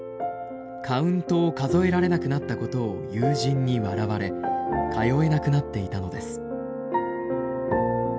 カウントを数えられなくなったことを友人に笑われ通えなくなっていたのです。